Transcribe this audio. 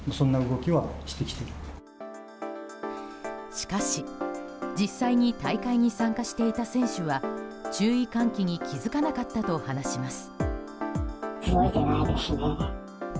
しかし、実際に大会に参加していた選手は注意喚起に気づかなかったと話します。